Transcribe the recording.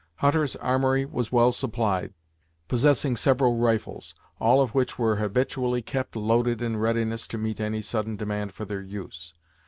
Hutter's armory was well supplied, possessing several rifles, all of which were habitually kept loaded in readiness to meet any sudden demand for their use.